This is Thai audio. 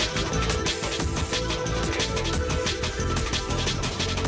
เดี๋ยวไปจัดการงูของมันก่อน